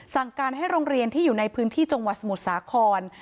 สั่งการให้โรงเรียนที่อยู่ในพื้นที่จังหวัดสมุทรสาคร